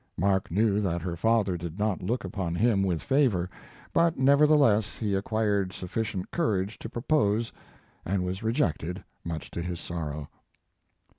Mark knew that her father did not look upon him with favor, but nevertheless he acquired suffi cient courage to propose, and was re jected, much to his sorrow.